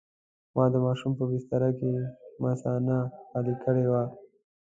ما د ماشوم په بستره کې مثانه خالي کړې وه.